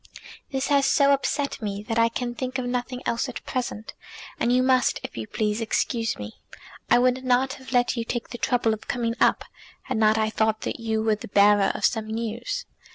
"This has so upset me that I can think of nothing else at present, and you must, if you please, excuse me. I would not have let you take the trouble of coming up, had not I thought that you were the bearer of some news."